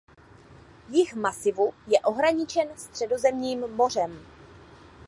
Jih masivu je ohraničen Středozemním mořem.